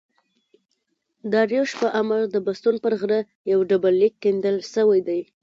داریوش په امر د بستون پر غره یو ډبر لیک کیندل سوی دﺉ.